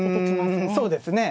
うんそうですね。